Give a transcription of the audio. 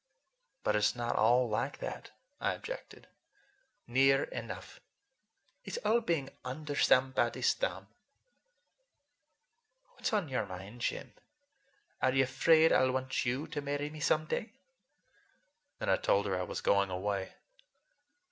"But it's not all like that," I objected. "Near enough. It's all being under somebody's thumb. What's on your mind, Jim? Are you afraid I'll want you to marry me some day?" Then I told her I was going away.